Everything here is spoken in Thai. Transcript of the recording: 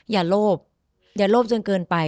อย่าโลภอย่าโลภจนเกินไป